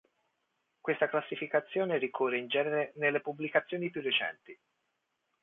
Questa classificazione ricorre in genere nelle pubblicazioni più recenti.